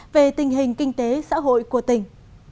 về tình hình kinh tế xã hội của tỉnh